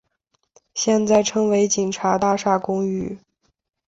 现在称为警察大厦公寓。